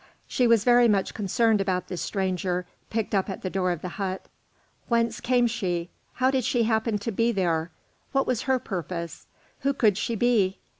She was very much concerned about this stranger picked up at the door of the hut. Whence came she? How did she happen to be there? What was her purpose? Who could she be?